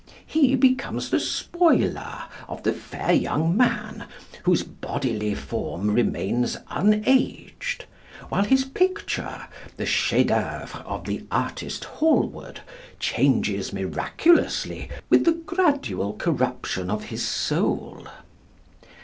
He becomes the spoiler of the fair young man, whose bodily form remains un aged; while his picture, the chef d'oeuvre of the artist Hallward, changes miraculously with the gradual corruption of his soul.